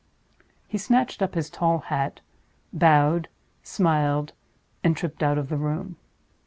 He snatched up his tall hat, bowed, smiled, and tripped out of the room.